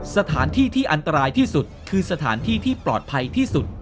สถานที่ที่อันตรายที่สุดคือสถานที่ที่ปลอดภัยที่สุด